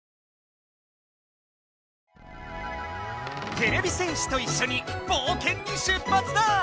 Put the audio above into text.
てれび戦士といっしょにぼうけんに出発だ！